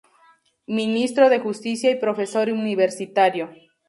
Ministro de justicia y profesor universitario.